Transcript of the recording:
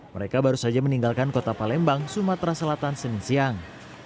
mereka baru saja meninggalkan kota palembang sumatera selatan senin siang